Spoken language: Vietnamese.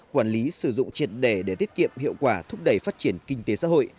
quản lý sử dụng triệt đề để tiết kiệm hiệu quả thúc đẩy phát triển kinh tế xã hội